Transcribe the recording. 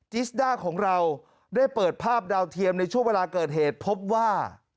จิสด้าของเราได้เปิดภาพดาวเทียมในช่วงเวลาเกิดเหตุพบว่า